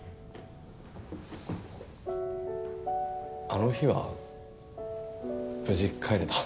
あの日は無事帰れた？